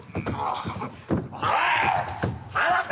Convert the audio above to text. おい！